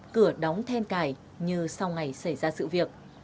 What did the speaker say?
cửa đóng then cài như sau ngày xảy ra sự việc